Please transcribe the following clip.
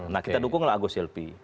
nah kita dukunglah agus silpi